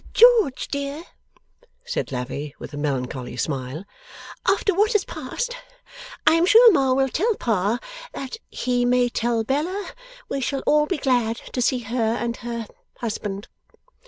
'George dear,' said Lavvy, with a melancholy smile, 'after what has passed, I am sure Ma will tell Pa that he may tell Bella we shall all be glad to see her and her husband.